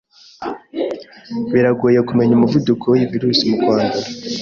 Biragoye kumenya umuvuduko w'iyi virus mu kwandura,